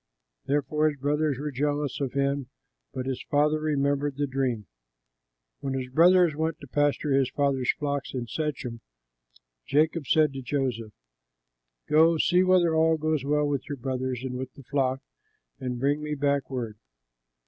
Therefore his brothers were jealous of him; but his father remembered the dream. When his brothers went to pasture his father's flocks in Shechem, Jacob said to Joseph, "Go, see whether all goes well with your brothers and with the flock, and bring me back word."